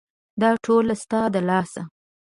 دا ټوله ستا د لاسه !